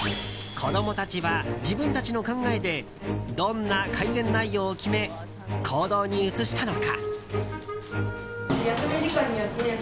子供たちは自分たちの考えでどんな改善内容を決め行動に移したのか？